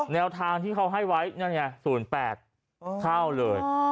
แนวทางที่เขาให้ไว้นั่นไง๐๘เข้าเลย